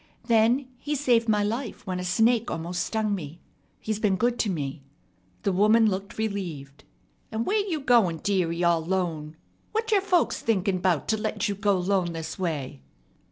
Then he saved my life when a snake almost stung me. He's been good to me." The woman looked relieved. "And where you goin', dearie, all 'lone? What your folks thinkin' 'bout to let you go 'lone this way?"